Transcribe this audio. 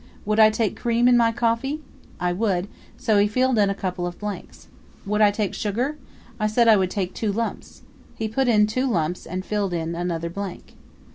Would I take cream in my coffee? I would; so he filled in a couple of blanks. Would I take sugar? I said I would take two lumps. He put in two lumps and filled in another blank.